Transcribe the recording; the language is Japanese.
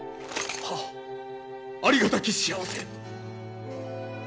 はっありがたき幸せ！